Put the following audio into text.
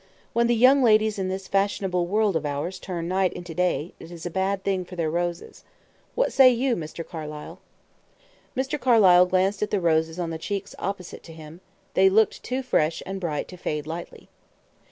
When the young ladies in this fashionable world of ours turn night into day, it is a bad thing for their roses. What say you, Mr. Carlyle?" Mr. Carlyle glanced at the roses on the cheeks opposite to him; they looked too fresh and bright to fade lightly.